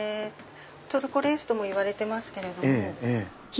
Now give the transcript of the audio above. トルコレースともいわれてますけれども。